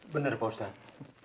benar pak ustadz